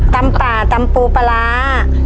ตำป่าตำปูปลาร้า